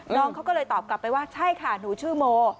น้องเขาก็เลยตอบกลับไปว่าใช่ค่ะหนูชื่อโม